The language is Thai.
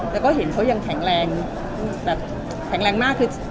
แล้วก็เห็นเขายังแข็งแรงแบบแข็งแรงมากคือ